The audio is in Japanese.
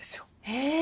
へえ。